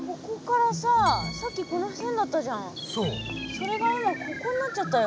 それが今ここになっちゃったよ。